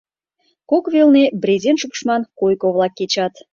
Кок велне брезент шупшман, койко-влак кечат.